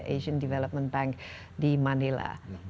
asian development bank di manila